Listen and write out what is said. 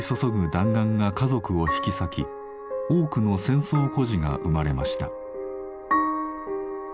弾丸が家族を引き裂き多くの戦争孤児が生まれました。